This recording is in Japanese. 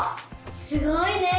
すごいね！